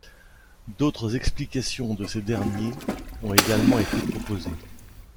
D'autres explications de ces derniers ont également été proposées.